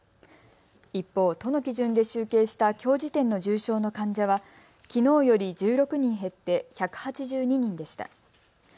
一方、都の基準で集計したきょう時点の重症の患者はきのうより１６人減って１８２人でした。